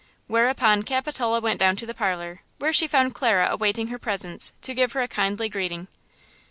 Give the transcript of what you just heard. Whereupon Capitola went down to the parlor, where she found Clara awaiting her presence to give her a kindly greeting.